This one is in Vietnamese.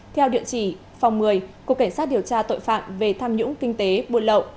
theo địa chỉ phòng một mươi cục cảnh sát điều tra tội phạm về tham nhũng kinh tế buôn lậu